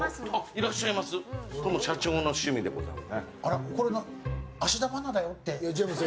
いらっしゃいます、これも社長の趣味でございます。